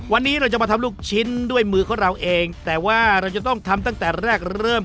วันนี้เราจะมาทำลูกชิ้นด้วยมือของเราเองแต่ว่าเราจะต้องทำตั้งแต่แรกเริ่ม